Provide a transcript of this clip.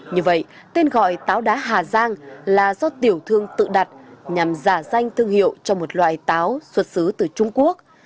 như vậy tên gọi táo đá hà giang là do tiểu thương tự đặt nhằm giả danh thương hiệu cho một loài táo xuất xứ từ trung quốc